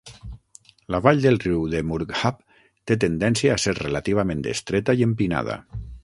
La vall del riu de Murghab té tendència a ser relativament estreta i empinada.